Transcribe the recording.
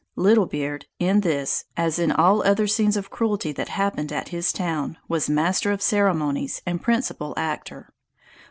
Little Beard, in this, as in all other scenes of cruelty that happened at his town, was master of ceremonies, and principal actor.